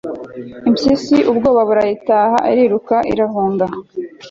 impyisi ubwoba burayitaha, iriruka irahunga